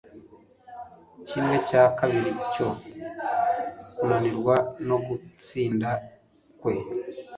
Kimwe cya kabiri cyo kunanirwa no gutsinda kwe